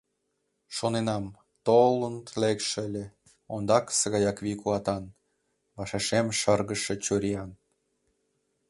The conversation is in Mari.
Шоненам: толын лекше ыле, ондакысе гаяк вий-куатан, вашешем шыргыжше чуриян.